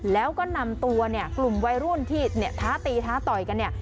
แล้วก็นำตัวกลุ่มวัยรุ่นที่ท้าตีท้าต่อยกัน